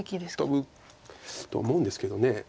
トブと思うんですけど。